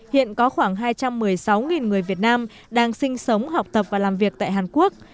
hiện có khoảng hai trăm một mươi sáu người việt nam đang sinh sống học tập và làm việc tại hàn quốc